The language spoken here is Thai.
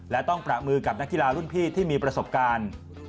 และต้องประมือกับนักกีฬารุ่นพี่ที่มีประสบการณ์